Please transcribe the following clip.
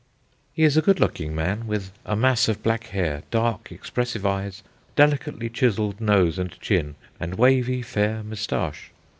"He is a good looking man, with a mass of black hair, dark, expressive eyes, delicately chiselled nose and chin, and wavy, fair moustache."